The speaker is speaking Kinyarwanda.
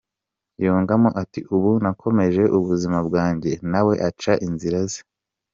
Yungamo ati “Ubu nakomeje ubuzima bwanjye, nawe aca inzira ze.